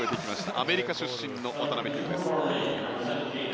アメリカ出身の渡邉飛勇です。